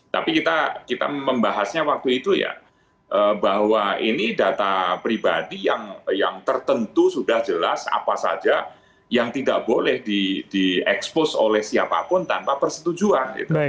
tapi kita membahasnya waktu itu ya bahwa ini data pribadi yang tertentu sudah jelas apa saja yang tidak boleh di expose oleh siapapun tanpa persetujuan